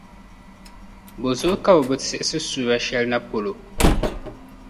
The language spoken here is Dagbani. Bozuɣu ka bɛ bi siɣisi suura shεli na polo?